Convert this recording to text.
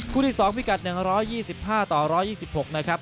ที่๒พิกัด๑๒๕ต่อ๑๒๖นะครับ